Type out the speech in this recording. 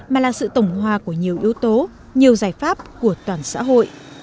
mà là sự tổng hòa của nhiều yếu tố nhiều giải pháp của toàn xã hội